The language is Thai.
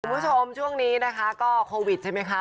คุณผู้ชมช่วงนี้นะคะก็โควิดใช่ไหมคะ